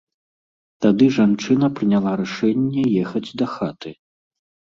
Тады жанчына прыняла рашэнне ехаць дахаты.